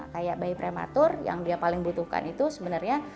kayak bayi prematur yang dia paling butuhkan itu sebenarnya